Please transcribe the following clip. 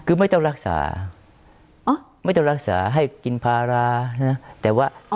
คือไม่ต้องรักษาไม่ต้องรักษาให้กินภาระแต่ว่า